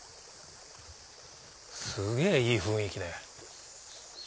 すげぇいい雰囲気ね。